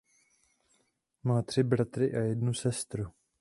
Má tři bratry a jednu sestru.